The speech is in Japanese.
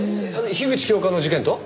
樋口教官の事件と？